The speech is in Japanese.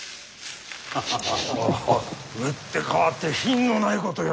打って変わって品のないことよ。